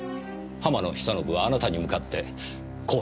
浜野久信はあなたに向かってこう言った。